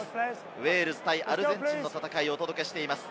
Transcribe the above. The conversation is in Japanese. ウェールズ対アルゼンチンの戦いをお届けしています。